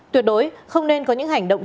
tuyệt đối không nên có những hành động